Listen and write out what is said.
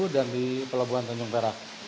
dan di pelabuhan tanjung perak